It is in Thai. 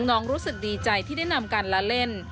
รู้สึกดีใจที่ได้นำการละเล่น